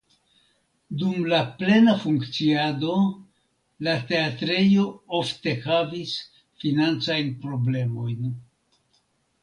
Dum la plena funkciado la teatrejo ofte havis financajn problemojn.